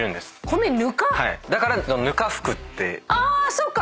そっか。